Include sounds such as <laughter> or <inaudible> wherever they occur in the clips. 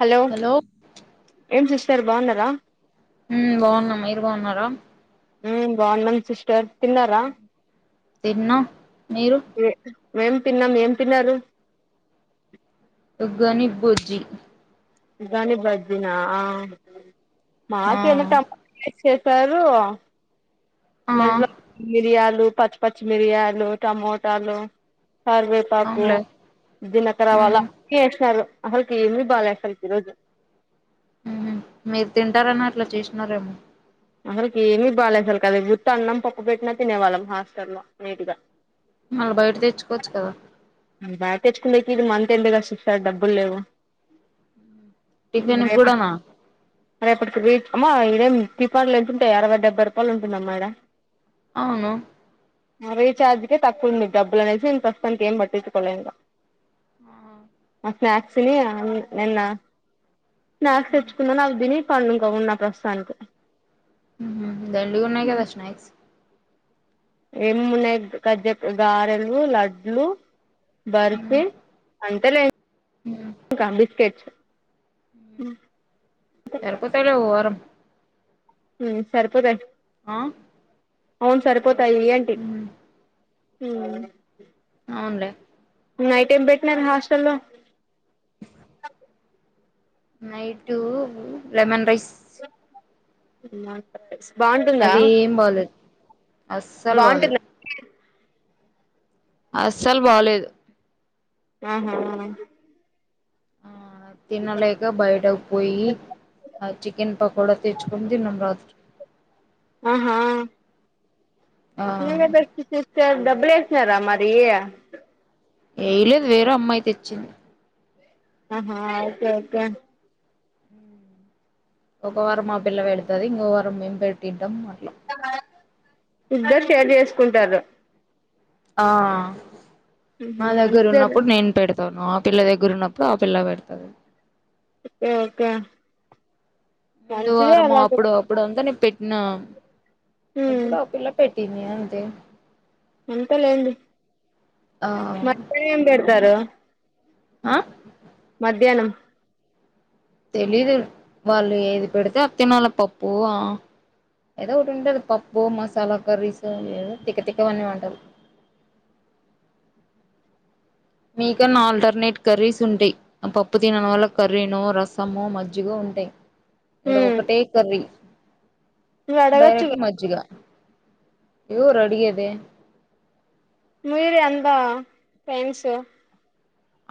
Hello ఏం sister బోన్నారా హ్మ్ బోన్నాం మీరు బోన్నర హ బోన్నాం సిస్టర్ తిన్నారా తిన్నా మీరు మేం తిన్నాం ఏం తిన్నారు ఉగ్గని బుజ్జి ఉగ్గని బజ్జీనా ఆ మాకేనా ట చెప్పేరు ఆ మైంట్లో మిరియాలు పచ్చ పచ్చమిరియాలు టమోటలు కార్వేపాకు అవునులే దినకర మ్మ్ వల్లందుకే ఏసినారు అసల్కి ఏమిీ బాలేదు అసలు ఇ రోజు హ్మ్ మీరు తింటారని అట్లా చేసినారేమో అసల్కి ఏమి బేలెశాలకి కదా ఉత్తన్నం పప్పు పెట్టినా తినేవాళ్ళం హాస్టల్లో నీట్గా మళ్ళా బైట తెచ్చుకోచ్చు కదా ఉమ్ బాగా తెచ్చుకుండేకి ఇది మంత్ కదా షిఫా డబ్బులు లేవు టిఫెన్ గూడన రేపటికి లీవ్ అమ్మో ఇదేం తిపాలు ఎంతుంటయి అరవై డెబ్బై రూపాయలు ఉంటుందమ్మా ఇక్కడ అవును ఆ రీఛార్జ్ కే తక్కువ ఉంది మీకు డబ్బులు అనేసి నేను ప్రస్తుతానికి ఏం పట్టించుకోలేదు ఇక ఉమ్ స్నాక్స్ తిని నిన్న స్నాక్స్ తెచ్చుకున్న అవి తిని పనుకొని ఉన్న ప్రస్తుతనికి ఉమ్ హు దండిగున్నాయి కదా స్నాక్స్కి ఏం ఏమున్నాయి గజ్జపు గారెలు లడ్లు మ్మ్ బర్ఫీ అంతేలే ఆ ఇంక బిస్కెట్స్ ఉమ్ సరిపోతాయిలె ఓ వారం ఉమ్ సరిపోతాయి ఆ అవును సరిపోతాయి అంటి మ్మ్ హుమ్ అవునులే నైట్ ఏం పెట్టినరు హాస్టల్ లో నైటూ లెమన్ రైస్ <unintelligible> బాగుంటుందా అదేం బాలేదు అస్సలు బాలేదు బాగుంటుందా అస్సలు బాలేదు ఆహా ఆ ఆ తినలేక బయటకు పోయి ఆ చికెన్ పకోడా తెచ్చుకుని తిన్నాం రాత్రి ఆహా ఆ నేనే పెట్టి తెచారు డబ్బులు వేసినారా మరి ఎయలేదు వేరే అమ్మాయి తెచ్చింది ఆహా ఒకే ఒకే ఒక వారం మా పిల్ల పెడతది ఇంకో వారం మేం పెట్టింటాం అట్లా ఇద్దరు షేర్ చేసుకుంటారు ఆ ఉహు మా దగ్గర మంచిదే లే ఉన్నప్పుడు నేను పెడత్ తను ఆ పిల్ల దగ్గర ఉన్నప్పుడు ఆ పిల్ల పెడతది ఒకే ఒకే ముందు వారము అప్పుడు అప్పుడు అంతా నే పెట్టినా ఉమ్ ఇప్పుడు ఆ పిల్లా పెట్ ట్టింది అంతే అంతేలెండి ఆ మళ్లీ ఏం పెడతారు ఆ మధ్యాహ్నం తెలీదు వాళ్ళు ఏది పెడితే అది తినాల పప్పు ఆ ఏదో ఒకటి ఉంటుంది పప్పు మసాలా కర్రీస్ ఏదో తిక్క తిక్కవన్నీ వంటలు మీకన్నా ఆల్టర్నేట్ కర్రీస్ ఉంటాయి ఆ పప్పు తిననోలకి కర్రీనో రసమో మజ్జిగో అంటే ఇడ ఉమ్ ఒకటే కర్రీ నువ్వు డైరెక్ట్ అడగొచ్చుగా మజ్జిగా ఎవరూ అడిగేది మీరే అంతా ఫ్రెండ్స్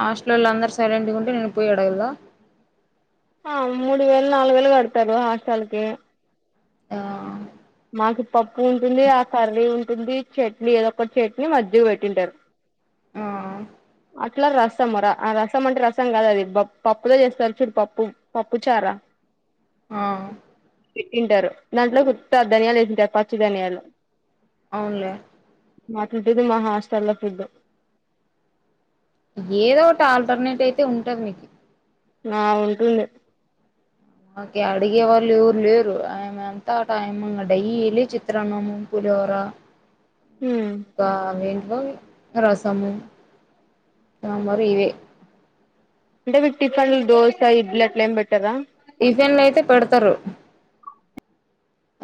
హాస్టలోల్ అందర్ సైలెంట్గుంటే నేను పోయి అడగల ఆ మూడు వేలు, నాలుగు వేలు గడ్తరు హాస్టల్కే ఆ మాకి పప్పు ఉంటుంది, ఆ కర్రీ ఉంటుంది, చట్నీ ఏదోక చట్నీ మజ్జిగ పెట్టింటరు. ఆ అట్ల రసంర ఆ రసం అంటే రసం కాద్ అది పప్పులో చేస్తర్ చూడు పప్పు పప్పు చారా ఆ తింటరు. దాంట్లో ఉత్త ధనియాల్ ఏసుంటారు పచ్చి ధనియాలు అవున్లే అట్లుంటది మా హాస్టల్ల ఫుడ్ ఏదోటి ఆల్టర్నేట్ అయితే ఉంటది మీకి ఆ ఉంటుంది. మాకే అడిగే వాళ్ళు ఎవరు లేరు అయినంత టైమ్ంగ్ డైలీ చిత్రాన్నము, పు లిహోర ఉమ్ ఇంకా వె రసము మరి ఇవే అంటే మీక్ టిఫన్లు దోస, ఇండ్లి అట్లేం పెట్టరా? ఇఫెన్లైతే పెడ్తరు.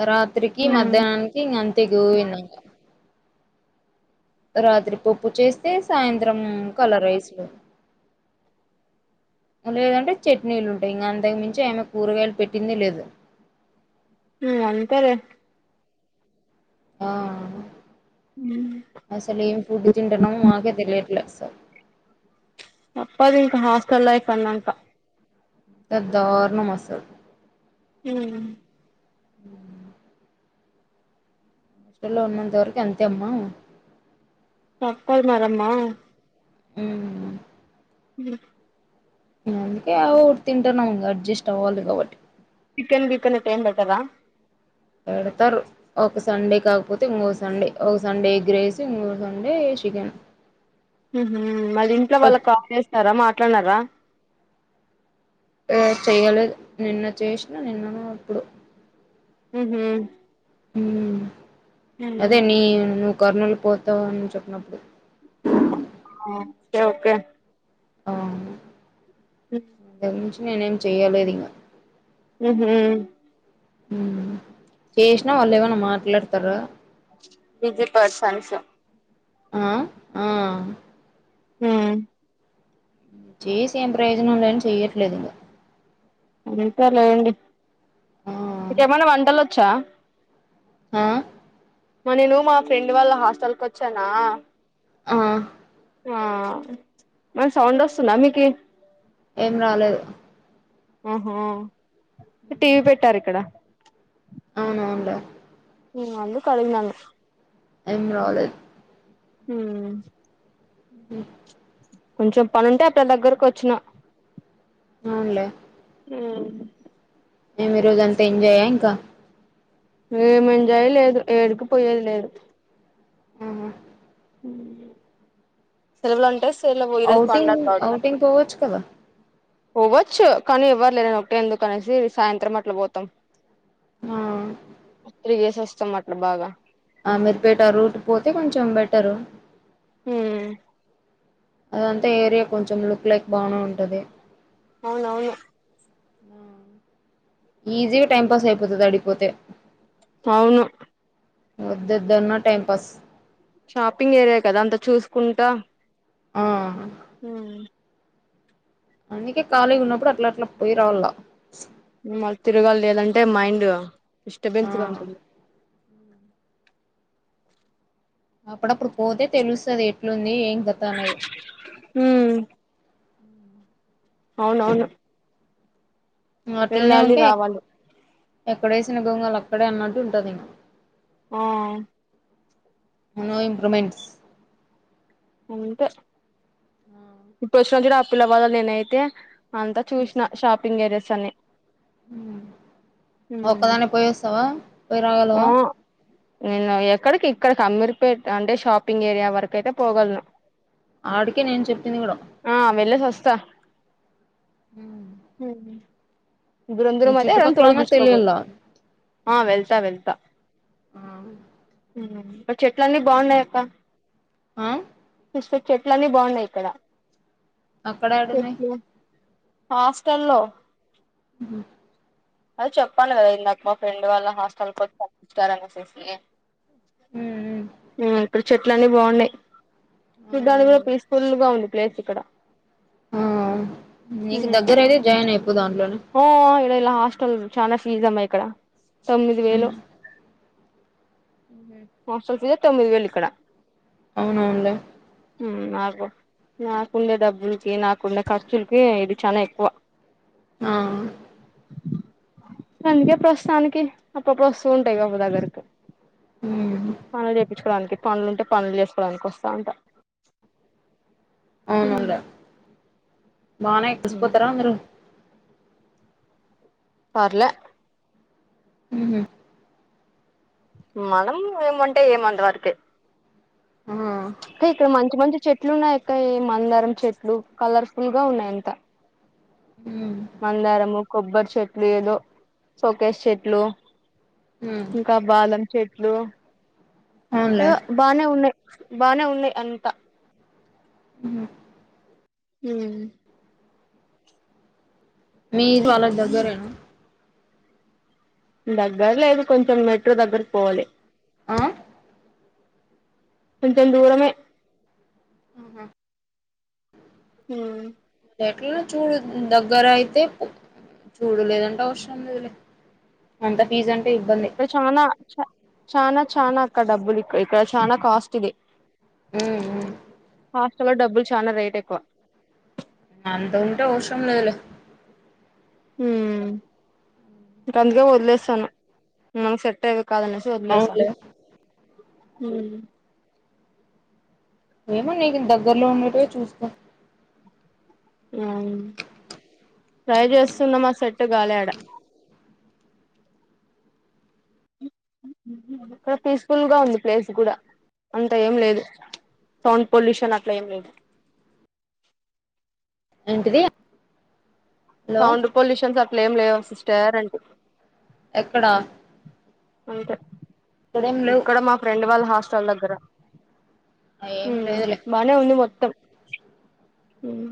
రాత్రికి, ఉమ్ మధ్యాహ్నానికి ఇంకా అంతే గూ విన్నాక రాత్రి పప్పు చేస్తే సాయంత్రంకల రైస్లో లేదంటే చట్నీలుంటయి ఇంగ అంతకుమించి ఆమె కూరగాయలు పెట్టిందే లేదు. మ్ అంతేలే ఆ ఉమ్ అసలేం ఫుడ్ తింటన్నమో మాకే తెలియట్లే. స తప్పద్ ఇంకా హాస్టల్ లైఫ్ అన్నాంక త దారుణం అసల్ హ్మ్ హాస్టల్లో ఉన్నంత వరకి అంతే అమ్మ తప్పద్ మరమ్మా. హ్మ్ న అందుకే అవు తింటున్నాం అడ్జస్ట్ అవ్వాలి కాబట్టి చికెన్ బికన్ అయితే ఏం బెట్టరా? పెడతరు. ఒక సండే కాకపోతే ఇంకో సండే ఒక సండే ఎగ్ రైస్ ఇంకో సండే చికెన్ మ్ హ్ మరి ఇంట్లో వాళ్ళక్ కాల్ చేస్తారా మాట్లాడినారా ఏ చేయలేదు నిన్న చేసినా నిన్ననో అప్పుడో మ్ హ్ అదే నేను కర్నూల్ పోతవన్ చెప్పినప్పుడు ఓకే ఓకే ఉమ్ ఇంతక్ మించి నేనేం చెయ్యలేద్ ఇంగ మ్ హ్ చేసినా వాళ్ళు ఏమన్నా మాట్లాడ్తరా బిజీ పర్సన్స్ ఆ ఆ హూ చేసి ఏం ప్రయోజనంలే అని చెయ్యట్లేదు ఇంగ అంతే లేదండి ఆ మికేమైనా వంటలు వచ్చా ఆ మా నేను మా ఫ్రెండ్ వాళ్ళ హాస్టల్ కు వచ్చానా ఆ ఆ మరి సౌండ్ వస్తుంద మీకీ ఏం రాలేదు ఆహో టీవీ పెట్టారు ఇక్కడ అవునవులే ఉ అందుకు అడిగినాను ఏం రాలేదు మ్మ్ కొంచెం పనుంటే అట్ల దగ్గరకొచ్చిన అవునులే ఆ మేమి ఈరోజ అంతా ఎంజాయ్యా ఇంకా ఏమంజాయి లేదు ఏడుకిపోయేది లేదు ఆహ్ సలవు లో ఉంటే సల పోయరస్ కొండ ఔటింగ్ కావ ఔటింగ్ పోవచ్చు కదా పోవ్వచ్చు కానీ ఇవ్వరు లేదని ఒకటే ఎందుకు అనేసి సాయంత్రం అట్లా పోతాం. ఆ తిరిగేసి వస్తాం అట్ల బాగా ఆ మిరుపేట రూట్ పోతే కొంచెం బెటరు హుమ్ అదంతా ఏరియా కొంచెం లుక్ లైక్ బానే ఉంటది అవునవును ఈజీగా టైం పాస్ అయిపోతది అడికిపోతే అవును వద్దద్దున్నా టైమ్ పాస్ షాపింగ్ ఏరియా కదా అంత చూసుకుంటా ఆ హ అందుకే ఖాళీగ ఉన్నప్పుడు అట్లా అట్లా పోయి రావల్లా తిరగాలి లేదంటే మైండ్ డిస్టర్బెన్స్ గా ఉంటుంది అ అప్పుడప్పుడు పోతే తెలుస్తది ఎట్లుంది ఏం కథ అనేది హ అవునవును వెళ్ళాలి రావాలి ఎక్కడేసినగోంగళ అక్కడే అన్నట్టు ఉంటది ఆ నో ఇంప్రమెంట్స్ అంటే ఇప్పుడు వచ్చినాడు చూడు ఆ పిల్ల వాళ్ళ అన్ననేనా ఐతే అంతా చూసిన షాపింగ్ ఏరియస్ అన్ని ఉమ్ ఒక్కదానే పోయి వస్తావా పోయి ఆ రాగలవా నేను ఎక్కడికి ఇక్కడకి అమీర్పేట్ అంటే షాపింగ్ ఏరియా వరకు అయితే పోగలను ఆడికే నేను చెప్పింది కూడా స దూరం దూరం నీకు అయితే ఎవరైన తోడుకు చుట్టుపక్కలన్నా పీల్చకపో తెలియల్ల ఆ వెల్తా వెల్తా ఆ చెట్లన్నీ బాగున్నాయక్క ఆ సిస్టర్ చెట్లన్ని బాగున్నాయి ఇక్కడ అక్కడ యాడున్నాయ్ చెట్లు హాస్టల్లో ఉహు అది చెప్పాను కదా ఇందాక మా ఫ్రెండ్ వాళ్ళ హాస్టల్కి వచ్చి తపించారనిసేసి ఇక్కడు చెట్లన్ని బాగున్నాయ్ చూడానికి కూడా అవునవునులే పీస్ఫుల్ గా ఉంది ప్లేస్ ఇక్కడ ఆ నీకు దగ్గర అయితే జాయిన్ అయిపో దాంట్లోనే ఓ ఇలడా హస్ చాలా ఫీజ్ అమ్మాయి ఇక్కడ తొమ్మిది వేలు హస్టల్ ఫీజె తొమ్మిది వేలిక్కడ అవునవునులే నాకు నాకుండే డబ్బులకి నాకుండే ఖర్చులకి ఇది చానా ఎక్కువ ఆ అందుకే ప్రస్తుతానికి అప్పుడప్పుడు వస్తూ ఉంటా ఇగ బు దగ్గరకు పనులు చేపించుకోవడానికి పనులుంటే పనులు చేసుకోవడానికి వస్తాంట అవునవునలే బానే ఉమ్ ఎక్క్కసిపోతారా అందరు పర్లే ఉహు మనం ఏమంటే ఎం అంత వరకె ఆ క ఇక్కడ మంచి మంచి చెట్ చెట్లున్నాయక్క మందారం చెట్లు కలర్ఫుల్ గా ఉన్నాయి అంత మందారము కొబ్బరి చెట్లు ఏదో షోకేష్ చెట్లు ఇంకా బాలం చెట్లు అవునులే ఎవొ బానే ఉన్నాయ్ బానే ఉన్నాయ్ అంతా ఉహు ఊ మీక్ వాళ్ళక్ దగ్గరేనా దగ్గర లేదు కొంచెం మెట్రో దగ్గరకు పోవాలి ఆ కొంచం దూరమే ఆ ఊ ఎట్లనో చూడు దగ్గర అయితే పొ చూడలేదంటా అవసరం లేదులే అంతే. ఇక్కడ చానా చ చానా చానా అక్క డబ్బులు ఇక్క ఇక్కడ చానా కాస్ట్ ఇది. ఉమ్ ఉమ్. హాస్టల్ లో డబ్బులు చానా రేట్ ఎక్కువ. అంత ఉంటే అవసరం లేదులే. ఉమ్ ఇంకా అందుకే వదిలేస్తాను మనకు సెట్ అయే. కాదనేసైతే వదిలేస్తా అవునులే ఉమ్. ఏమో నీకు దగ్గర్లో ఉన్నటువే చూసుకో. అవును ట్రై చేస్తున్నామా సెట్ కాలేదు. అక్కడ పీస్ఫుల్ గా ఉంది ప్లేస్ కూడా అంత ఏం లేదు. సౌండ్ పోల్యూషన్ అట్లేం లేదు. ఏంటిది. హలో సౌండ్ పొల్యూషన్స్ అట్లేం లేవు సిస్టర్ అంటున్నా. ఎక్కడా. అంతే ఇక్కడ మా ఫ్రెండ్ వాళ్ళ హాస్టల్ దగ్గర. ఏం ఉమ్ లేదులే బానే ఉంది మొత్తం. ఉమ్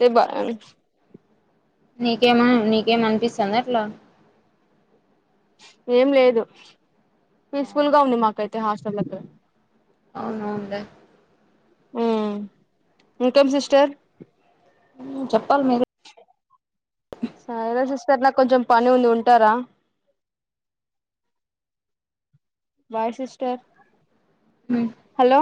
తేబన్. నీకేమై నీకేమనిపిస్తుందా అట్లా. ఏం లేదు పీస్ఫుల్ గా ఉంది మాకైతే హాస్టల్ దగ్గర. అవునా అదే. ఉమ్ ఇంకేం సిస్టర్. ఉమ్ చెప్పాలి మీరే. సరేనా సిస్టర్ నాకు కొంచెం పని ఉంది ఉంటారా. అ హాయ్ సిస్టర్ హలో.